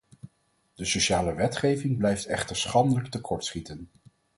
De sociale wetgeving blijft echter schandelijk tekortschieten.